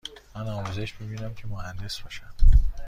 من آموزش می بینم که مهندس باشم.